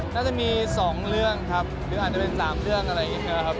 น่าจะมี๒เรื่องครับหรืออาจจะเป็น๓เรื่องอะไรอย่างนี้ใช่ไหมครับ